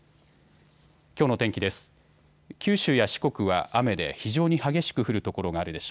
きょうの天気です。